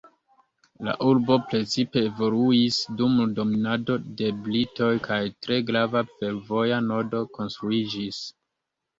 La urbo precipe evoluis dum dominado de britoj kaj tre grava fervoja nodo konstruiĝis.